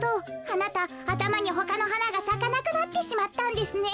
あなたあたまにほかのはながさかなくなってしまったんですね。